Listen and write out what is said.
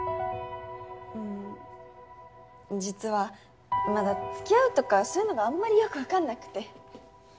ん実はまだ付き合うとかそういうのがあんまりよく分かんなくて。